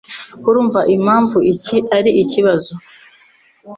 Urumva impamvu iki ari ikibazo